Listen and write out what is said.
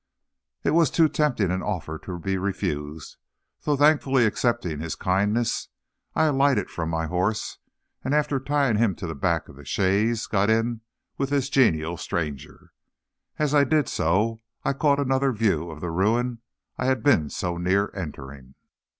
It was too tempting an offer to be refused; so thankfully accepting his kindness, I alighted from my horse, and after tying him to the back of the chaise, got in with this genial stranger. As I did so I caught another view of the ruin I had been so near entering.